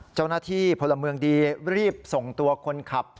เจ้าหน้าที่พลเมืองดีรีบส่งตัวคนขับ